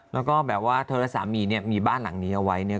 แล้วก็แบบว่าเธอและสามีเนี่ยมีบ้านหลังนี้เอาไว้เนี่ย